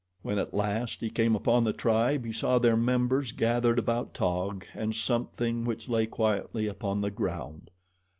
When at last he came upon the tribe he saw their members gathered about Taug and something which lay quietly upon the ground.